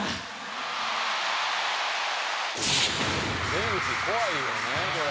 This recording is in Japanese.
「天気怖いよねこれ」